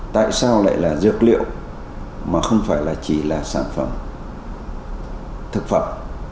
tại sao lại là dược liệu mà không phải chỉ là sản phẩm thực phẩm